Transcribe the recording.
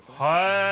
へえ！